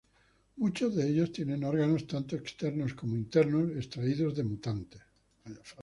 Muchos de ellos tienen órganos, tanto externos como internos, extraídos de mutantes.